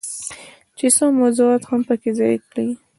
چې څو موضوعات هم پکې ځای کړي.